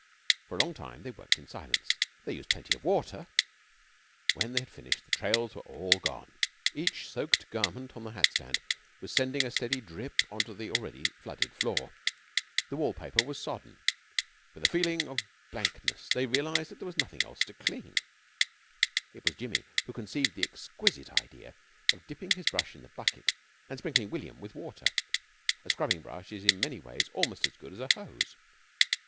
For a long time they worked in silence. They used plenty of water. When they had finished the trails were all gone. Each soaked garment on the hat stand was sending a steady drip on to the already flooded floor. The wall paper was sodden. With a feeling of blankness they realised that there was nothing else to clean. It was Jimmy who conceived the exquisite idea of dipping his brush in the bucket and sprinkling William with water. A scrubbing brush is in many ways almost as good as a hose.